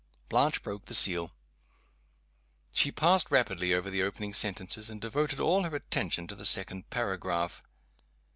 Blanche broke the seal. She passed rapidly over the opening sentences, and devoted all her attention to the second paragraph.